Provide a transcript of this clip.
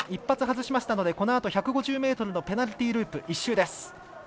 １発外しましたのでこのあと１５０ｍのペナルティーループ１周です。